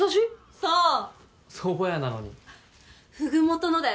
そう蕎麦屋なのにフグモトのだよ